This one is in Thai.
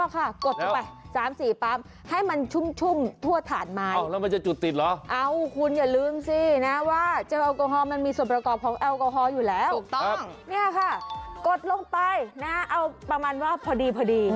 กดลงไปนะเอาประมาณว่าพอดี